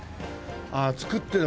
ああ作ってる。